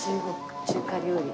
中華料理。